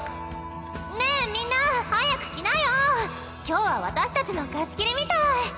ねえみんな早く来なよ。今日は私たちの貸し切りみたい。